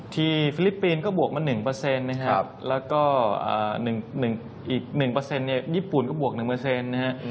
ฟิลิปปินส์ก็บวกมา๑นะครับแล้วก็อีก๑เนี่ยญี่ปุ่นก็บวก๑นะฮะ